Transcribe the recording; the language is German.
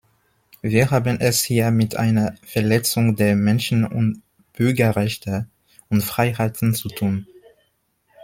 Wir haben es hier mit einer Verletzung der Menschen- und Bürgerrechte und -freiheiten zu tun.